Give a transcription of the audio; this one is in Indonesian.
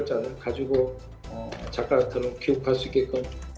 dan mereka akan lebih baik